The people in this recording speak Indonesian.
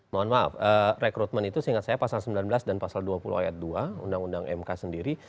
mohon maaf rekrutmen itu seingat saya pasal sembilan belas dan pasal dua puluh ayat dua undang undang mk sendiri